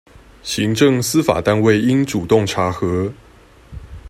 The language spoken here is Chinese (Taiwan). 行政、司法單位應主動查核